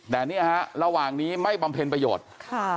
แต่เนี่ยฮะระหว่างนี้ไม่บำเพ็ญประโยชน์